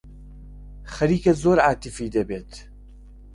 خەریکە زۆر عاتیفی دەبیت.